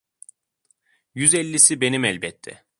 Yüz ellisi benim elbette…